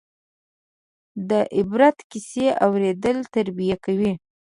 د عبرت کیسې اورېدل تربیه کوي.